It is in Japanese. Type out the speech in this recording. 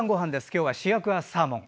今日は主役はサーモン。